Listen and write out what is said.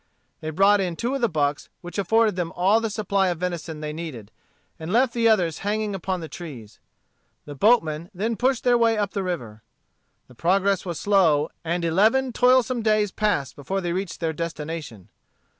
They brought in two of the bucks, which afforded them all the supply of venison they needed, and left the others hanging upon the trees. The boatmen then pushed their way up the river. The progress was slow, and eleven toilsome days passed before they reached their destination.